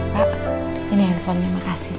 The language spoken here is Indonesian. pak ini handphonenya makasih